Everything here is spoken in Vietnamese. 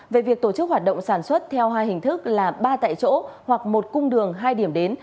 về việc tổ chức hoạt động sản xuất theo hai hình thức là ba tại chỗ hoặc một cung đường hai điểm đến